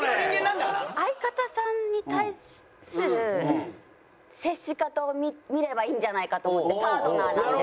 相方さんに対する接し方を見ればいいんじゃないかと思ってパートナーなので。